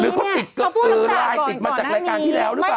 เขาติดไลน์ติดมาจากรายการที่แล้วหรือเปล่า